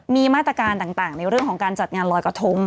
มีมาตรการต่างในเรื่องของการจัดงานลอยกระทง